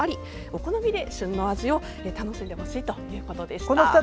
お好みで旬の味を楽しんでほしいということでした。